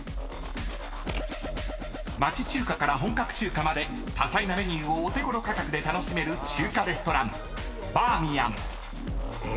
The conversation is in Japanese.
［町中華から本格中華まで多彩なメニューをお手ごろ価格で楽しめる中華レストラン］